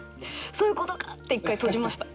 そういうことかって一回閉じました。